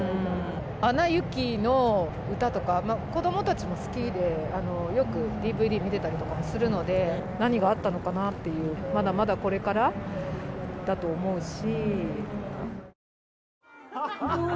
アナ雪の歌とか、子どもたちも好きで、よくＤＶＤ見てたりとかもするので、何があったのかなっていう、まだまだこれからだと思うし。